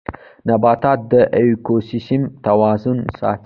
نباتات د ايکوسيستم توازن ساتي